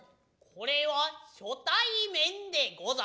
これは初対面でござる。